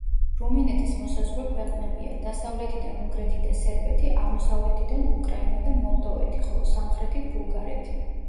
რუმინეთის მოსაზღვრე ქვეყნებია: დასავლეთიდან უნგრეთი და სერბეთი, აღმოსავლეთიდან უკრაინა და მოლდოვეთი, ხოლო სამხრეთით ბულგარეთი.